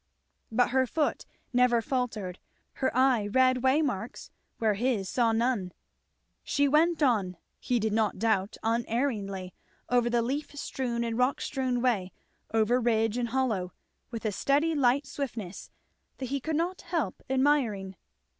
But her foot never faltered, her eye read way marks where his saw none, she went on, he did not doubt unerringly, over the leaf strewn and rock strewn way, over ridge and hollow, with a steady light swiftness that he could not help admiring.